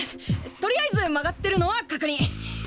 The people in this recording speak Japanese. とりあえず曲がってるのは確認！